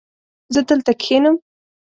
زه دلته کښېنم